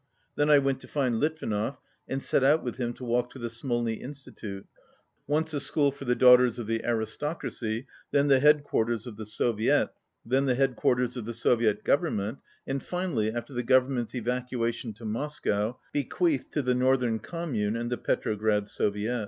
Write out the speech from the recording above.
Then I went to find Litvinov, and set out with him to walk to the Smolni institute, once a school for the daughters of the aristocracy, then the headquarters of the Soviet, then the headquarters of the Soviet Gov ernment, and finally, after the Government's evacuation to Moscow, bequeathed to the North ern Commune and the Petrograd Soviet.